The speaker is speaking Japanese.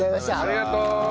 ありがとう。